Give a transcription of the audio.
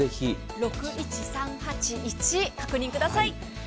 ６１３８１、確認ください。